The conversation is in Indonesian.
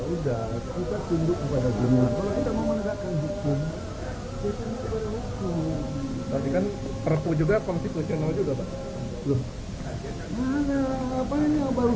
udah kita tunduk kepada jenis kalau kita mau menegakkan hukum kita harus kepada hukum